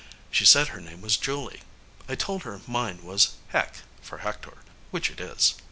She said her name was Julie. I told her mine was Heck, for Hector, which it is.